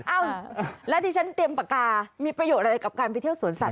เอ้าแล้วที่ฉันเตรียมปากกามีประโยชน์อะไรกับการไปเที่ยวสวนสัต